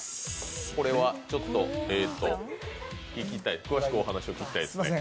これはちょっと詳しくお話を聞きたいですね。